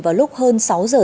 vào lúc hơn sáu giờ